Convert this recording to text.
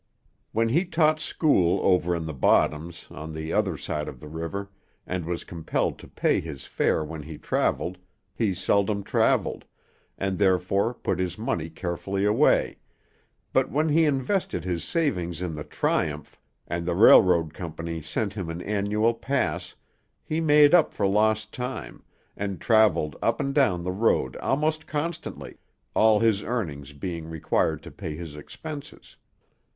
When he taught school over in the bottoms, on the other side of the river, and was compelled to pay his fare when he travelled, he seldom travelled, and therefore put his money carefully away, but when he invested his savings in the Triumph, and the railroad company sent him an annual pass, he made up for lost time, and travelled up and down the road almost constantly, all his earnings being required to pay his expenses.